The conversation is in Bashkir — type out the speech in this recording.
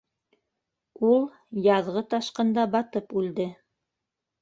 Ул... яҙғы ташҡында батып үлде.